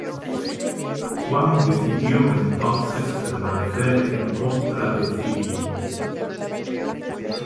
Juan decidió entonces permanecer en contra de Cirilo.